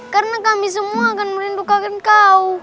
karena kami semua akan merindukan kau